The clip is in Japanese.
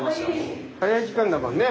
早い時間だもんね。